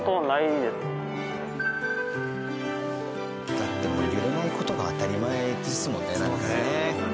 だって揺れない事が当たり前ですもんねなんかね。